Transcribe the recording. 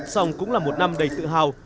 xong cũng là một năm đầy tự hào